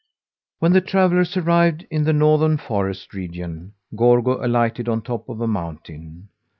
When the travellers arrived in the northern forest region, Gorgo alighted on top of a mountain.